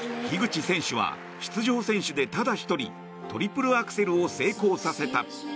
樋口選手は出場選手でただ１人トリプルアクセルを成功させた。